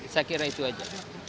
saya kira itu saja